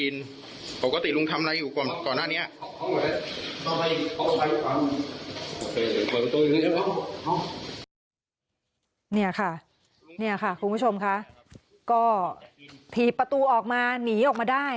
นี่ค่ะคุณผู้ชมค่ะก็ถีประตูออกมาหนีออกมาได้